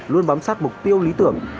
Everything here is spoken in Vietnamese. luôn vắm sát mục tiêu lý tưởng